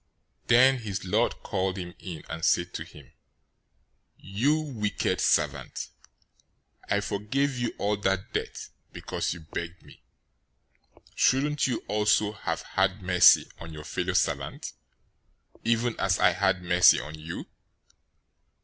018:032 Then his lord called him in, and said to him, 'You wicked servant! I forgave you all that debt, because you begged me. 018:033 Shouldn't you also have had mercy on your fellow servant, even as I had mercy on you?'